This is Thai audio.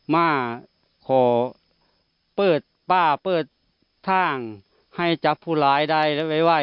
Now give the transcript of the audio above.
มาขอเปิดป่าเปิดท่างให้จับผู้หลายได้ไว้